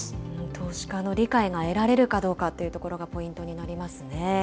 投資家の理解が得られるかどうかというところがポイントになりますね。